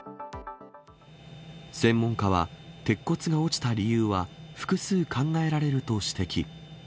専門家は、鉄骨が落ちた理由は、複数考えられると指摘。